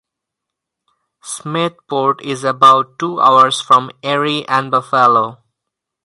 Smethport is about two hours from Erie and Buffalo.